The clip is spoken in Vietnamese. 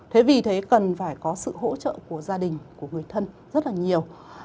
thế vì thế cần phải có sự hỗ trợ của gia đình của người thân rất là nhiều